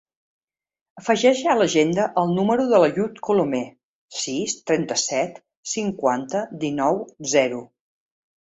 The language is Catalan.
Afegeix a l'agenda el número de l'Àyoub Colomer: sis, trenta-set, cinquanta, dinou, zero.